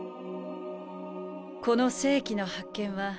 この世紀の発見は。